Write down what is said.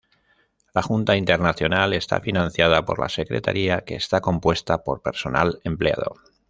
La Junta Internacional está financiada por la Secretaría, que está compuesta por personal empleado.